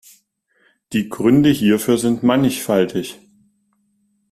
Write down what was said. Die Gründe hierfür sind mannigfaltig.